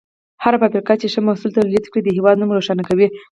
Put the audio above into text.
هره فابریکه چې ښه محصول تولید کړي، د هېواد نوم روښانه کوي.